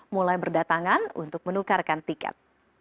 mulai berdatangan untuk menukarkan tiket